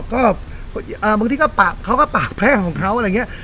ครับก็ก็อ่าบางที่ก็ปากเขาก็ปากแพร่ของเขาอะไรอย่างเงี้ย